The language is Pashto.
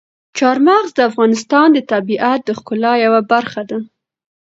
چار مغز د افغانستان د طبیعت د ښکلا یوه برخه ده.